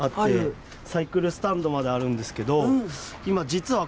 サイクルスタンドまであるんですけど今実はこれあの。